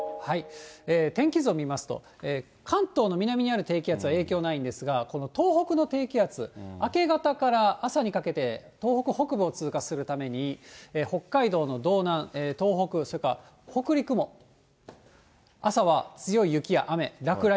天気図を見ますと、関東の南にある低気圧は影響ないんですが、この東北の低気圧、明け方から朝にかけて、東北北部を通過するために、北海道の道南、東北、それから北陸も、朝は強い雪や雨、落